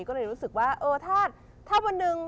ก็เลยรู้สึกว่าเออถ้าวันหนึ่ง